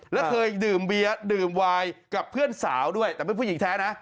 แล้วเคยดื่มเบียร์ดื่มวายกับเพื่อนสาวด้วยแต่เป็นผู้หญิงแท้นะ